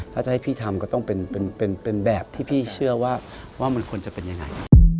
ถ้าจะให้พี่ทำก็ต้องเป็นแบบที่พี่เชื่อว่ามันควรจะเป็นยังไง